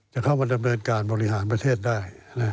จะเข้ามาดำเนินการบริหารประเทศได้